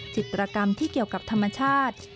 จิตรกรรมที่เกี่ยวกับธรรมชาติ